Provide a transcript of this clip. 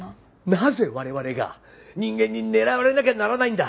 なぜ我々が人間に狙われなきゃならないんだ。